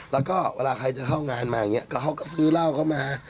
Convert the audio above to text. แล้วก็เวลาใครจะเข้างานมาอย่างนี้ก็เขาก็ซื้อเหล้าเข้ามา